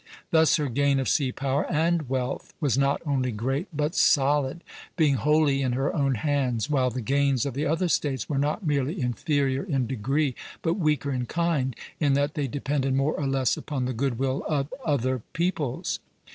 Thus her gain of sea power and wealth was not only great but solid, being wholly in her own hands; while the gains of the other States were not merely inferior in degree, but weaker in kind, in that they depended more or less upon the good will of other peoples.